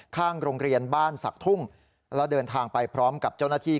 ข้างโรงเรียนบ้านศักดิ์ทุ่งแล้วเดินทางไปพร้อมกับเจ้าหน้าที่